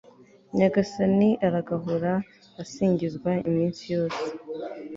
nyagasani aragahora asingizwa iminsi yose